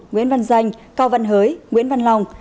nguyễn văn danh cao văn hới nguyễn văn long